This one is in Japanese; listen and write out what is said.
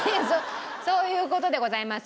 そういう事でございます。